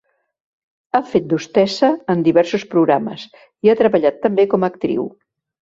Ha fet d'hostessa en diversos programes i ha treballat també com a actriu.